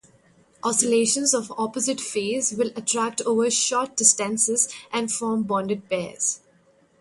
Oscillons of opposite phase will attract over short distances and form 'bonded' pairs.